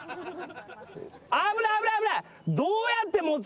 危ない危ない危ない！